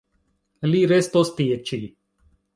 Li restos tie ĉi.